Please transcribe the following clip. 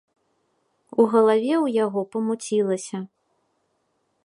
У галаве ў яго памуцілася.